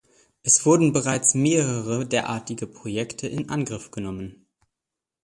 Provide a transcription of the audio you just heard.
Es wurden bereits mehrere derartige Projekte in Angriff genommen.